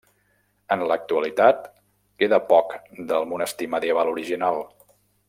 En l'actualitat queda poc del monestir medieval original.